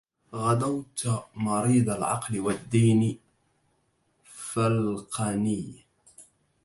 غدوت مريض العقل والدين فالقني